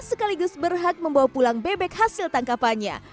sekaligus berhak membawa pulang bebek hasil tangkapannya